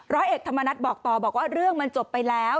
ร้อยเอกธรรมนัฐบอกต่อบอกว่าเรื่องมันจบไปแล้ว